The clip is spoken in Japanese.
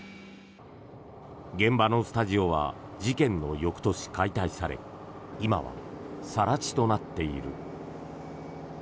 現場のスタジオは事件の翌年、解体され今は更地となっている。